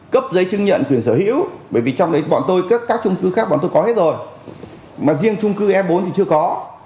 cấp giấy chứng nhận quyền sở hữu bởi vì trong đấy các chung cư khác bọn tôi có hết rồi mà riêng chung cư e bốn thì chưa có